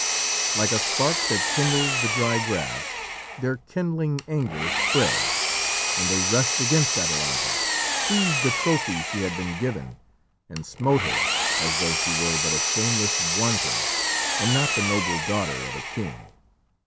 Like a spark that kindles the dry grass, their kindling anger spread, and they rushed against Atalanta, seized the trophy she had been given, and smote her as though she were but a shameless wanton and not the noble daughter of a king.